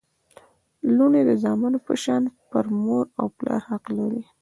لوڼي د زامنو په شان پر مور او پلار حق لري